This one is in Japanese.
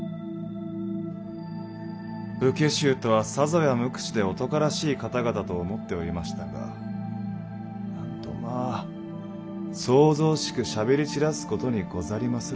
武家衆とはさぞや無口で男らしい方々と思っておりましたがなんとまぁ騒々しくしゃべり散らすことにござりまするな。